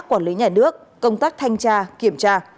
quản lý nhà nước công tác thanh tra kiểm tra